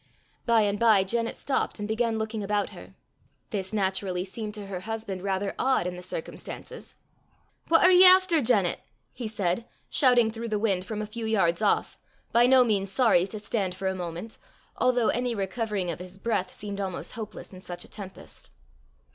By and by Janet stopped and began looking about her. This naturally seemed to her husband rather odd in the circumstances. "What are ye efter, Janet?" he said, shouting through the wind from a few yards off, by no means sorry to stand for a moment, although any recovering of his breath seemed almost hopeless in such a tempest.